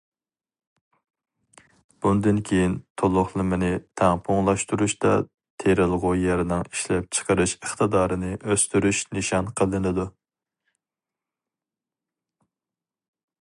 بۇندىن كېيىن تولۇقلىمىنى تەڭپۇڭلاشتۇرۇشتا تېرىلغۇ يەرنىڭ ئىشلەپچىقىرىش ئىقتىدارىنى ئۆستۈرۈش نىشان قىلىنىدۇ.